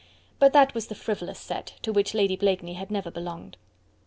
But that was the frivolous set, to which Lady Blakeney had never belonged.